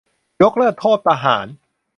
ยกเลิกโทษประหาร ?